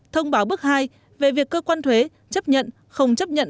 thông báo bước hai về việc cơ quan thuế chấp nhận không chấp nhận